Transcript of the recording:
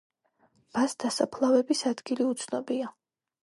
ბას დასაფლავების ადგილი უცნობია.